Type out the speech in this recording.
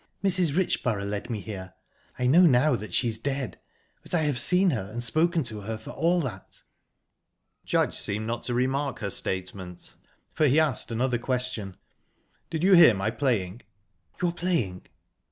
Mrs. Richborough led me here. I know now that she's dead, but I have seen her and spoken to her, for all that." Judge seemed not to remark her statement, for he asked another question: "Did you hear my playing?" "Your playing?"